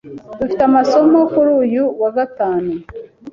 Dufite amasomo kuri uyu wa gatanu?